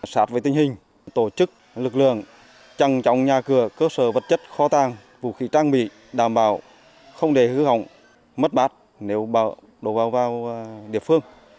sát với tình hình tổ chức lực lượng trăng trọng nhà cửa cơ sở vật chất kho tàng vũ khí trang bị đảm bảo không để hư hỏng mất bát nếu bão đổ vào vào địa phương